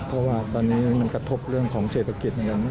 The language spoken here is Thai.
เพราะว่าตอนนี้มันกระทบเรื่องของเศรษฐกิจเหมือนกัน